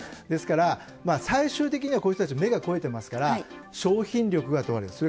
ですから、最終的にはこういう人たち目が肥えてますから、商品力が問われる。